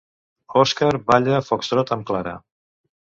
Oscar balla foxtrot amb Clara.